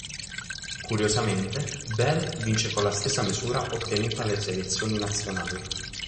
Curiosamente, Bell vince con la stessa misura ottenuta alle selezioni nazionali.